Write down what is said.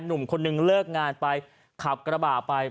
หนุ่มคนนึงเลิกงานไปขับกระบะไป